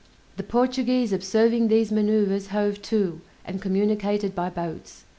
The Portuguese observing these maneuvers hove to, and communicated by boats.